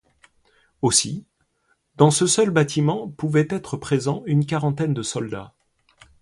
Aussi, dans ce seul bâtiment pouvaient être présents une quarantaine de soldats.